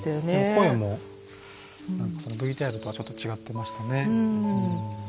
声もＶＴＲとはちょっと違ってましたね。